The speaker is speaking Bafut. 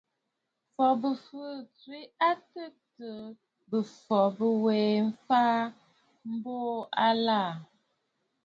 M̀fɔ̀ Bɨ̀fɨɨ̀ à tswe a tɨtɨ̀ɨ bɨ̀fɔ̀ bîwè fàa mbùʼù àlaʼà.